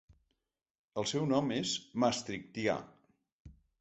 El seu nom és "maastrichtià".